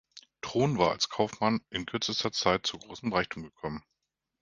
Tron war als Kaufmann in kürzester Zeit zu großem Reichtum gekommen.